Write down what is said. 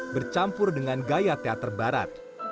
bercampur dengan gaya teater barat